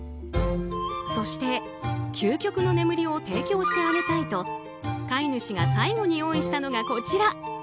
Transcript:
そして、究極の眠りを提供してあげたいと飼い主が最後に用意したのがこちら。